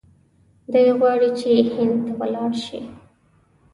دی غواړي چې هند ته ولاړ شي.